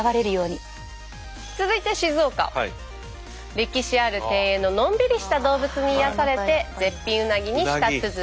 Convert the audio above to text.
歴史ある庭園ののんびりした動物に癒やされて絶品うなぎに舌鼓。